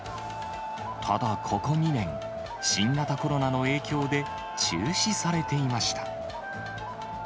ただ、ここ２年、新型コロナの影響で、中止されていました。